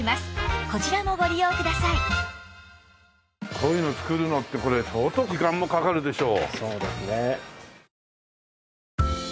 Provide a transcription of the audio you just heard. こういうの作るのってこれ相当時間もかかるでしょ？